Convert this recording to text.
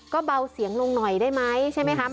ก็เบาเสียงลงหน่อยได้ไหม